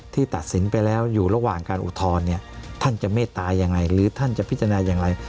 ตัดสินไปแล้วอยู่ระหว่างการอุทธรณ์เนี่ยท่านจะเมตตายังไงหรือท่านจะพิจารณาอย่างไร